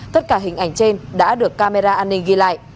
tất cả hình ảnh trên đã được camera an ninh ghi lại